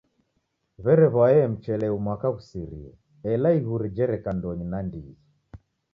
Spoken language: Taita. W'erew'ae mchele mwaka ghusirie ela iguri jereka ndonyi nandighi.